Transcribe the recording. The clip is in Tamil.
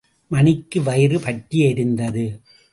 மணிக்கு வயிறு பற்றி எரிந்தது.